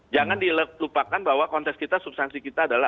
jangan dilupakan bahwa konteks kita subsansi kita adalah